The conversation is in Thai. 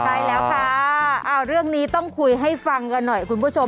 ใช่แล้วค่ะเรื่องนี้ต้องคุยให้ฟังกันหน่อยคุณผู้ชม